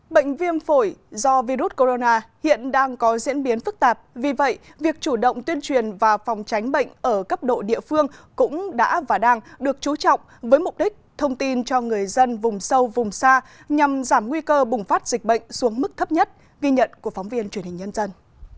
bệnh viêm phổi do virus corona hiện đang có diễn biến phức tạp vì vậy việc chủ động tuyên truyền và phòng tránh bệnh ở cấp độ địa phương cũng đã và đang được chú trọng với mục đích thông tin cho người dân vùng sâu vùng xa nhằm giảm nguy cơ bùng phát dịch bệnh xuống mức thấp nhất ghi nhận của phóng viên truyền hình nhân dân